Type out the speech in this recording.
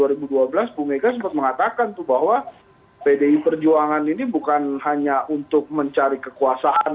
ibu mega sempat mengatakan bahwa pdi perjuangan ini bukan hanya untuk mencari kekuasaan